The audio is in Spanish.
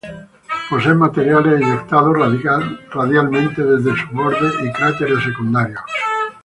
Poseen materiales eyectados radialmente desde sus bordes y cráteres secundarios.